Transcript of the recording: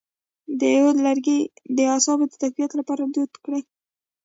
د عود لرګی د اعصابو د تقویت لپاره دود کړئ